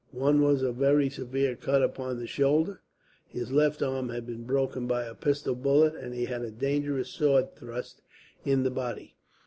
One was a very severe cut upon the shoulder. His left arm had been broken by a pistol bullet, and he had a dangerous sword thrust in the body.